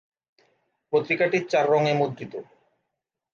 পত্রিকাটি চার রঙে মুদ্রিত।